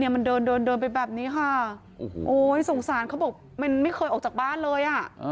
มันเดินเดินไปแบบนี้ค่ะโอ้โหสงสารเขาบอกมันไม่เคยออกจากบ้านเลยอ่ะ